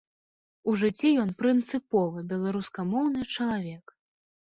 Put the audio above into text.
У жыцці ён прынцыпова беларускамоўны чалавек.